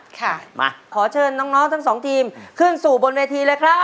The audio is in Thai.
ค่ะมาขอเชิญน้องทั้งสองทีมขึ้นสู่บนเวทีเลยครับ